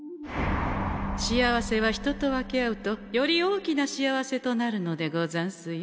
幸せは人と分け合うとより大きな幸せとなるのでござんすよ。